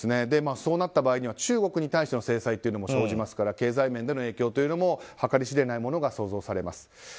そうなった場合には中国に対しての制裁も生じますから経済面での影響というのも計り知れないものが想像されます。